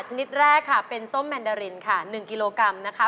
ชนิดแรกค่ะเป็นส้มแมนดารินค่ะ๑กิโลกรัมนะคะ